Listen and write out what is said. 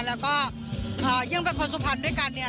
แล้วก็ยังเป็นคนสุภัณฑ์ด้วยกันเนี่ย